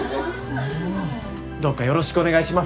どうかよろしくお願いします。